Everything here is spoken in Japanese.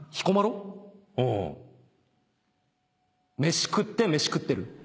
飯食って飯食ってる。